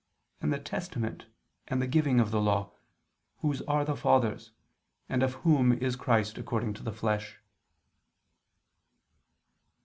. and the testament, and the giving of the Law ... whose are the fathers, and of whom is Christ according to the flesh."